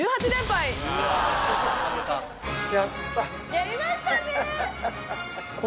やりましたね！